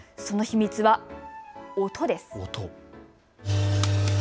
その秘密は音です。